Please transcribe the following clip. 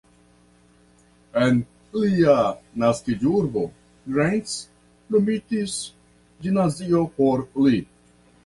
En lia naskiĝurbo Greiz nomitis gimnazio por li.